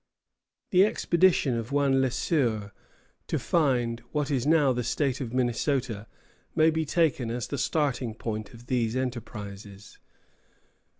The expedition of one Le Sueur to what is now the State of Minnesota may be taken as the starting point of these enterprises.